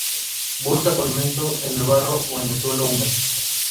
Busca su alimento en el barro o el suelo húmedo.